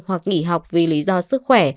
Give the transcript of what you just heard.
hoặc nghỉ học vì lý do sức khỏe